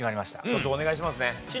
お願いしますね。